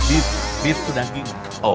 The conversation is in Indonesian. bib itu daging